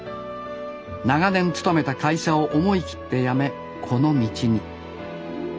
長年勤めた会社を思い切って辞めこの道に。